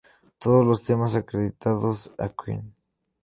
Todos los temas acreditados a Queen